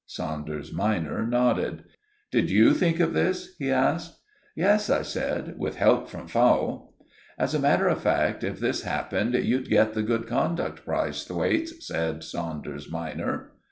Saunders minor nodded. "Did you think of this?" he asked. "Yes," I said; "with help from Fowle." "As a matter of fact, if this happened you'd get the Good Conduct Prize, Thwaites," said Saunders minor.